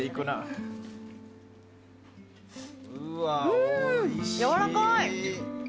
うんやわらかい。